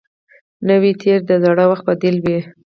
نوی تېر د زاړه وخت بدیل وي